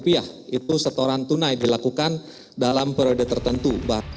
itu setoran tunai dilakukan dalam periode tertentu